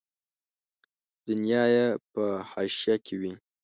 دنیا یې په حاشیه کې وي.